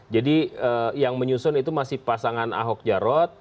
jadi yang menyusun itu masih pasangan ahok jarot